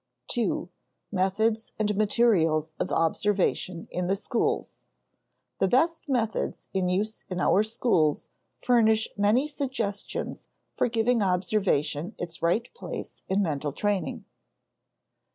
§ 2. Methods and Materials of Observation in the Schools The best methods in use in our schools furnish many suggestions for giving observation its right place in mental training.